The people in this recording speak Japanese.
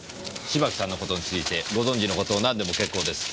芝木さんの事についてご存じの事何でも結構です。